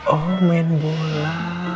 oh main bola